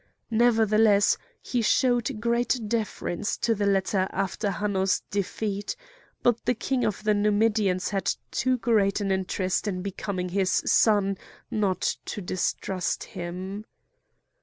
Nevertheless he showed great deference to the latter after Hanno's defeat; but the king of the Numidians had too great an interest in becoming his son not to distrust him.